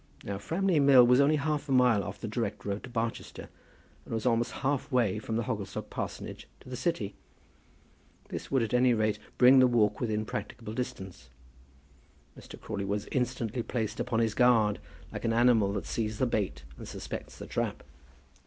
Now Framley Mill was only half a mile off the direct road to Barchester, and was almost half way from Hogglestock parsonage to the city. This would, at any rate, bring the walk within a practicable distance. Mr. Crawley was instantly placed upon his guard, like an animal that sees the bait and suspects the trap.